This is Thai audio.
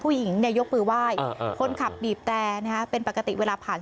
ผู้หญิงยกมือไหว้คนขับดีบแตล